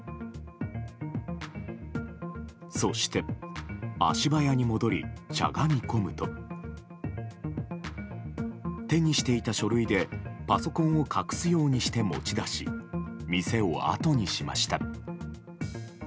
そして、足早に戻りしゃがみ込むと手にしていた書類でパソコンを隠すようにして持ち出し店をあとにしました。